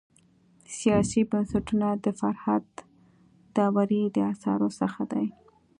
سیاسي بنسټونه د فرهاد داوري د اثارو څخه دی.